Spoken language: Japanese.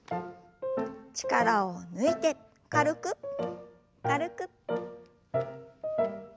力を抜いて軽く軽く。